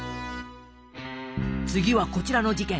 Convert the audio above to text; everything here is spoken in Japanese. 次はこちらの事件。